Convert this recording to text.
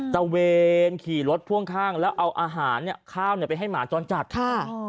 จะเวนขี่รถพ่วงข้างแล้วเอาอาหารข้าวไปให้หมาจรจัดฆ่า